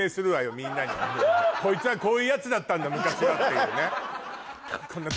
みんなにこいつはこういうヤツだったんだ昔はっていうね